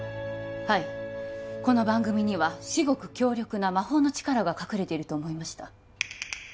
はいこの番組には至極強力な魔法の力が隠れていると思いました